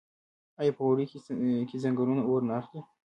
آیا په اوړي کې ځنګلونه اور نه اخلي؟